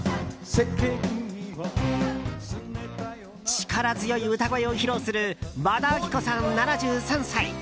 力強い歌声を披露する和田アキ子さん、７３歳。